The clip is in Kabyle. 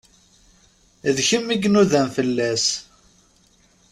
D kem i inudan fell-as.